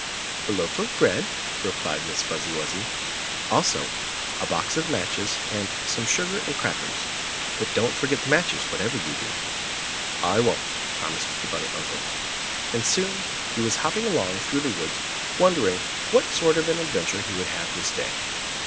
"A loaf of bread," replied Miss Fuzzy Wuzzy, "also a box of matches and some sugar and crackers. But don't forget the matches whatever you do." "I won't," promised the bunny uncle, and soon he was hopping along through the woods wondering what sort of an adventure he would have this day.